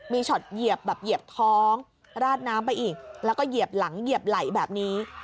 มีช็อตเหยียบแบบเหยียบท้องราดน้ำไปอีกแล้วก็เหยียบหลังเหยียบไหลแบบนี้